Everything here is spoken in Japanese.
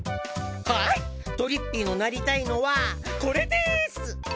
はいとりっぴいのなりたいのはこれです！